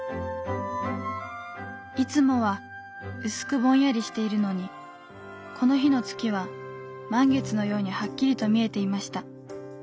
「いつもはうすくぼんやりしているのにこの日の月は満月のようにはっきりと見えていました。